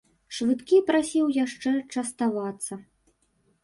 Швыдкі прасіў яшчэ частавацца.